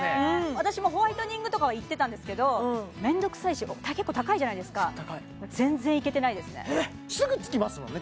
私もホワイトニングとかは行ってたんですけどめんどくさいし結構高いじゃないですかそう高い全然行けてないですねすぐつきますもんね